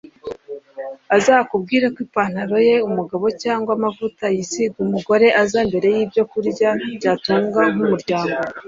Azakubwira ko ipantalo ye(umugabo)cyangwa amavuta yisiga(umugore)aza mbere y’ibyo kurya byabatunga nk’umuryango